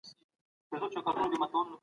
هغه د زورواکو امتیاز کم کړل.